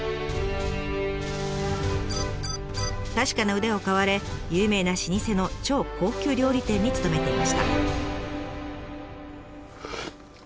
確かな腕を買われ有名な老舗の超高級料理店に勤めていました。